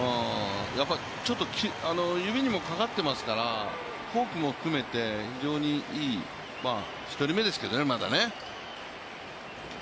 ちょっと指にもかかってますから、フォークも含めて非常にいい、一人目ですけどね、まだ。